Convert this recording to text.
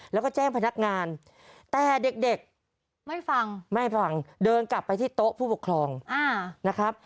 แล้วก็แจ้งพนักงานแต่เด็กไม่ฟังไม่ฟังเดินกลับไปที่โต๊ะผู้ปกครองนะครับ